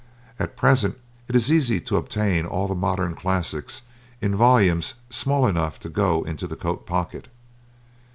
At present it is easy to obtain all of the modern classics in volumes small enough to go into the coat pocket.